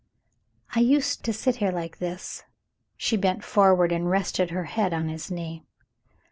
"I used to sit here like this." She bent forward and rested her head on his knee.